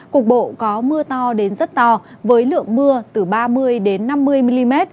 cục bộ có mưa to đến rất to với lượng mưa từ ba mươi năm mươi mm